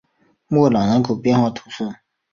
莫朗人口变化图示